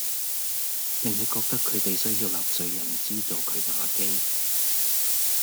定係覺得佢哋需要納稅人資助佢打機